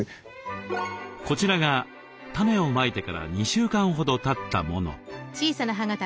こちらが種をまいてから２週間ほどたったもの。